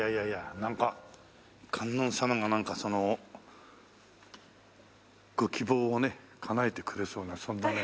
なんか観音様がなんかその希望をねかなえてくれそうなそんなね。